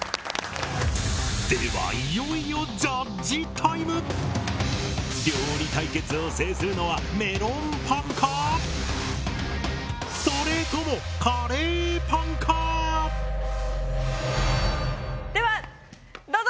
ではいよいよ「料理対決」を制するのはメロンパンか⁉それともカレーパンか⁉ではどうぞ！